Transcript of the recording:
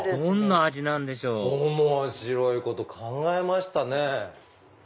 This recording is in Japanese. どんな味なんでしょう面白いこと考えましたね。